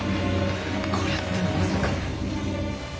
これってまさか。